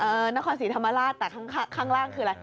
เออนครศรีธรรมราชแต่ข้างล่างคืออะไร